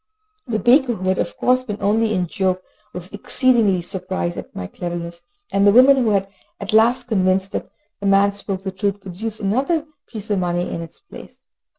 The baker, who had of course been only in joke, was exceedingly surprised at my cleverness, and the woman, who was at last convinced that the man spoke the truth, produced another piece of money in its place.